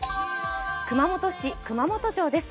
熊本市熊本城です。